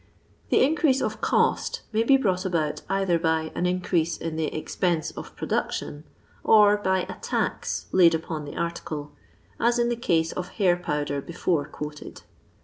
The increase of cost may be brought about either by an increase in the expense of production or by a tax laid upon the article, as in the cose of hair powder, before quoted.